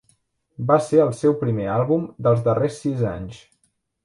Va ser el seu primer àlbum dels darrers sis anys.